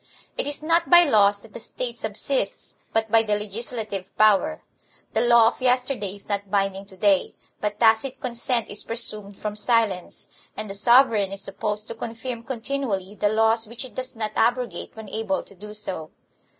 It is not by laws that the State subsists, but by the legislative power. The law of yesterday is not binding to day; but tacit consent is presumed from silence, and the sovereign is supposed to confirm continually the laws which it does not abrogate when able to do so.